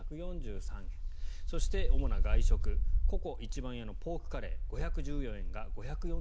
そして主な外食ＣｏＣｏ壱番屋のポークカレー５１４円が５４７円。